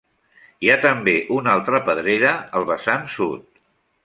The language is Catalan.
Hi ha també una altra pedrera al vessant sud.